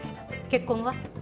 結婚は？